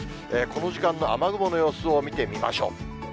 この時間の雨雲の様子を見てみましょう。